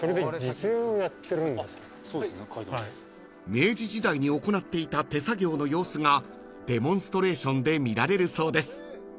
［明治時代に行っていた手作業の様子がデモンストレーションで見られるそうです］